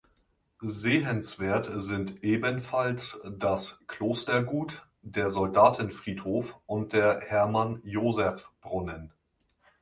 Sehenswert sind ebenfalls das "Klostergut", der Soldatenfriedhof und der "Hermann-Josef-Brunnen".